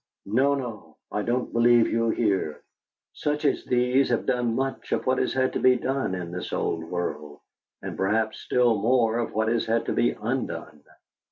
No, no; I don't believe you're here!" Such as these have done much of what has had to be done in this old world, and perhaps still more of what has had to be undone.